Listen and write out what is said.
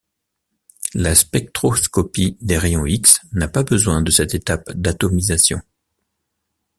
La spectroscopie des rayons X n'a pas besoin de cette étape d’atomisation.